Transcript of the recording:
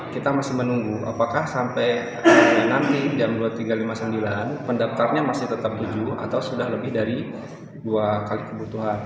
kita masih menunggu apakah sampai nanti jam dua puluh tiga lima puluh sembilan pendaftarnya masih tetap tujuh atau sudah lebih dari dua kali kebutuhan